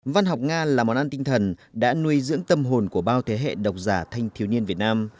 văn học nga là món ăn tinh thần đã nuôi dưỡng tâm hồn của bao thế hệ độc giả thanh thiếu niên việt nam